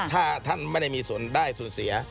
ถ้าท่านไม่ได้มีส่วนได้ส่วนเสีย